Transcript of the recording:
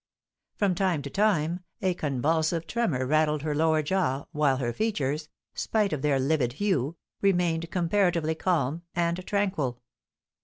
From time to time a convulsive tremor rattled her lower jaw, while her features, spite of their livid hue, remained comparatively calm and tranquil.